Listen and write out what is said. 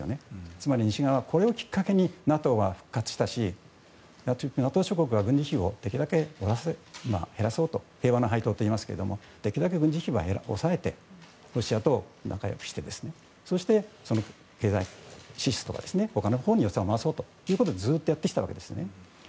つまり西側はこれをきっかけにＮＡＴＯは復活したしＮＡＴＯ諸国が軍事費用をできるだけ減らそうと平和の配当といいますができるだけ軍事費を抑えてロシアと仲良くしてそして、経済支出を他のほうに、予算を回そうとやってきたわけですよね。